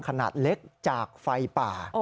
ขนาดเล็กจากไฟป่า